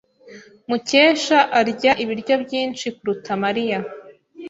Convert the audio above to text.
Mukesha arya ibiryo byinshi kuruta Mariya.